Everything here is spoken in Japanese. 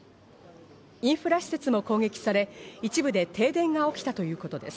インフラ施設も攻撃され、一部で停電が起きたということです。